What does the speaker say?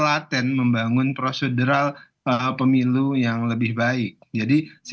kami mendapatkan suatu sumber kenaikan silva operasi